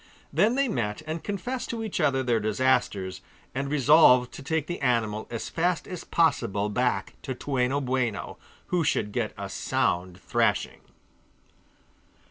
Then they met and confessed to each other their disasters, and resolved to take the animal as fast as possible back to Toueno Boueno, who should get a sound thrashing.